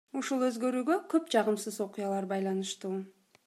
Ушул өзгөрүүгө көп жагымсыз окуялар байланыштуу.